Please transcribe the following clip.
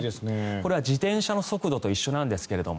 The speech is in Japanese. これは自転車の速度と一緒なんですが。